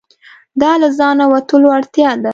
دا له ځانه وتلو اړتیا ده.